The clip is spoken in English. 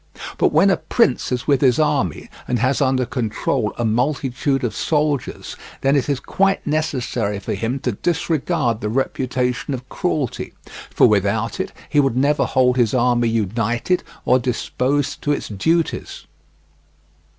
But when a prince is with his army, and has under control a multitude of soldiers, then it is quite necessary for him to disregard the reputation of cruelty, for without it he would never hold his army united or disposed to its duties.